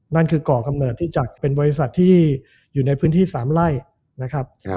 นั่นคือก่อกำเนิดที่จะเป็นบริษัทที่อยู่ในพื้นที่๓ไร่นะครับ